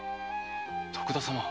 徳田様！